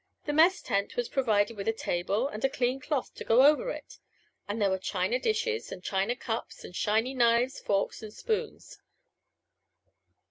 ... The mess tent was provided with a table with a clean cloth to go over it, and there were china dishes and china cups and shiny knives, forks and spoons.